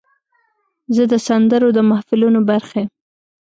زه د سندرو د محفلونو برخه یم.